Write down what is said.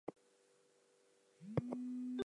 It is located about south of the town of New Norfolk.